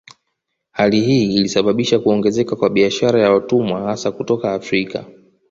Hali hii ilisababisha kuongezeka kwa biashara ya watumwa hasa kutoka Afrika